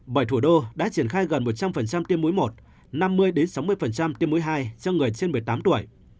bởi thủ đô đã triển khai gần một trăm linh tiêm mũi một năm mươi sáu mươi tiêm mũi hai cho người trên một mươi tám tuổi